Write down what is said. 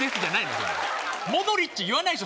それモドリッチ言わないでしょ